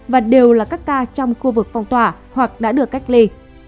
và đều là các ca trong khu vực phong tỏa hoặc đã được cách ly